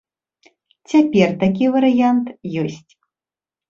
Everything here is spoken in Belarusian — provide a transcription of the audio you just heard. Цяпер такі варыянт ёсць.